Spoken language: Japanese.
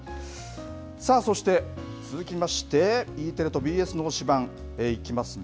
さあ、そして続きましてＥテレとＢＳの推しバン！いきますね。